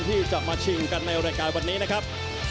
ที่จะมาชิมกันในรายการวันนี้นะครับ